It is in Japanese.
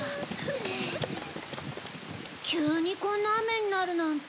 急にこんな雨になるなんて。